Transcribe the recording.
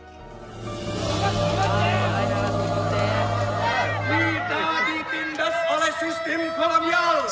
kita ditindas oleh sistem kolonial